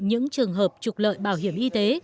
những trường hợp trục lợi bảo hiểm y tế